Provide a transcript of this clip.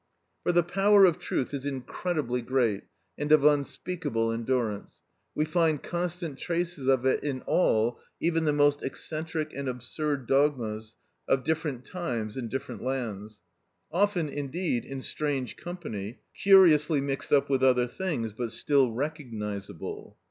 For the power of truth is incredibly great and of unspeakable endurance. We find constant traces of it in all, even the most eccentric and absurd dogmas, of different times and different lands,—often indeed in strange company, curiously mixed up with other things, but still recognisable.